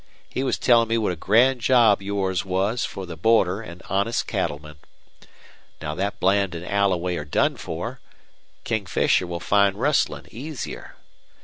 He was tellin' me what a grand job yours was for the border an' honest cattlemen. Now that Bland and Alloway are done for, King Fisher will find rustlin' easier.